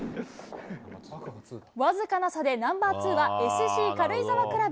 僅かな差でナンバー２はＳＣ軽井沢クラブ。